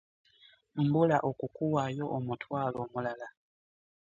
Mbula okukuwaayo omutwalo omulala.